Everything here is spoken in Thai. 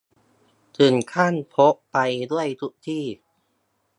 ถึงขั้นพกไปด้วยทุกที่